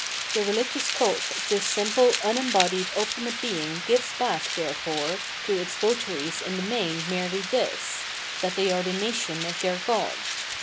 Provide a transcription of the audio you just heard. The religious cult of this simple un embodied ultimate Being gives back, therefore, to its votaries in the main merely this : that they are the nation of their god.